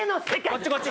こっちこっち。